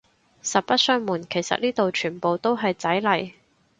實不相暪，其實呢度全部都係仔嚟